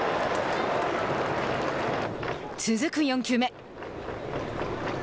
続く４球目。